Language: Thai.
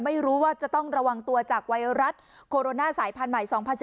ไม่รู้ว่าจะต้องระวังตัวจากไวรัสโคโรนาสายพันธุ์ใหม่๒๐๑๙